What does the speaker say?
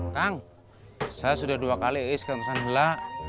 kang saya sudah dua kali keantusan jela